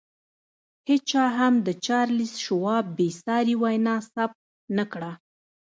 هېچا هم د چارلیس شواب بې ساري وینا ثبت نه کړه